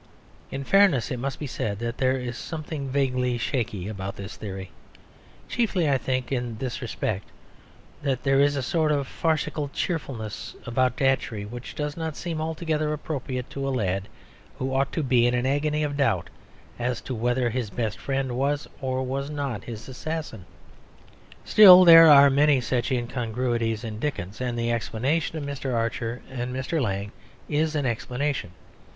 In fairness it must be said that there is something vaguely shaky about this theory; chiefly, I think, in this respect; that there is a sort of farcical cheerfulness about Datchery which does not seem altogether appropriate to a lad who ought to be in an agony of doubt as to whether his best friend was or was not his assassin. Still there are many such incongruities in Dickens; and the explanation of Mr. Archer and Mr. Lang is an explanation.